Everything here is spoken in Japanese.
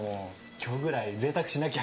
今日ぐらいぜいたくしなきゃ。